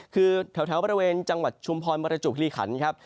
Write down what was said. คือแถวบริเวณจังหวัดชุมพรบรจุบฮิริขันครับ